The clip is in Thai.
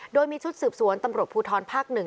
โดยมีชุดสืบสวนตำรวจภูทรภาค๑